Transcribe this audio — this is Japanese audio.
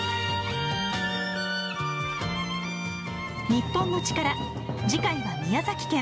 『日本のチカラ』次回は宮崎県。